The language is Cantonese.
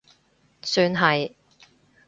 算係